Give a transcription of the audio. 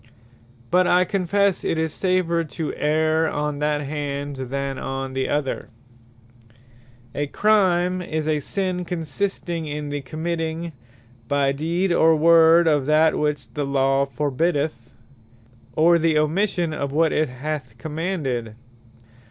But I confesse it is safer to erre on that hand, than on the other. A Crime What A Crime, is a sinne, consisting in the Committing (by Deed, or Word) of that which the Law forbiddeth, or the Omission of what it hath commanded.